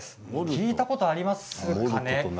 聞いたことありますかね。